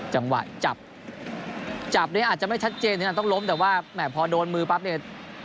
จังหวะจับจับเนี่ยอาจจะไม่ชัดเจนขนาดต้องล้มแต่ว่าแหมพอโดนมือปั๊บเนี่ย